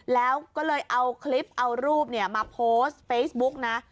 แล้วก็เลยเอาคลิปเอารูปมาโพสต์เฟซบุ๊กนะ